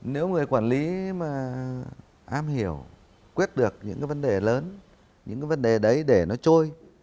nếu người quản lý mà am hiểu quyết được những cái vấn đề lớn những cái vấn đề đấy để nó trôi